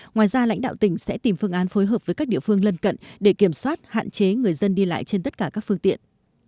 ngoài ra lãnh đạo tỉnh sẽ tìm phương án phối hợp với các địa phương lân cận để kiểm soát hạn chế người dân đi lại trên tất cả các phương tiện